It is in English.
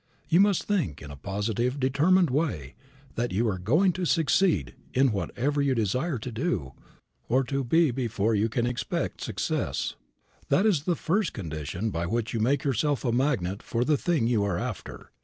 You must think in a positive determined way that you are going to succeed in whatever you desire to do or to be before you can expect success. That is the first condition by which you make yourself a magnet for the thing you are after.